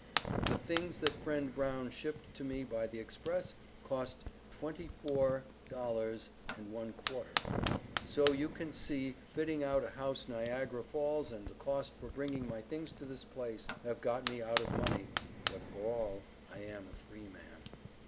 The things that friend Brown Shiped to me by the Express costed $24 1/4. So you can see fiting out a house Niagara falls and the cost for bringing my things to this place, have got me out of money, but for all I am a free man.